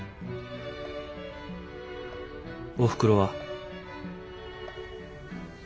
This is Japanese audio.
おふくろは？